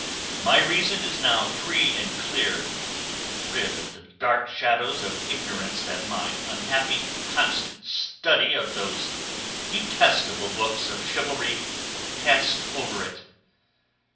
My reason is now free and clear, rid of the dark shadows of ignorance that my unhappy constant study of those detestable books of chivalry cast over it.